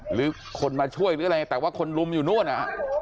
หรือคนมาช่วยหรืออะไรแต่ว่าคนลุมอยู่นู่นอ่ะ